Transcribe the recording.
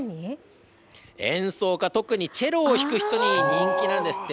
演奏家、特にチェロを弾く人に人気なんですって。